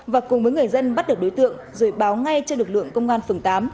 và cùng với người dân bắt được đối tượng rồi báo ngay cho lực lượng công an phường tám